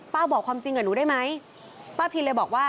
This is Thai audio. บอกความจริงกับหนูได้ไหมป้าพินเลยบอกว่า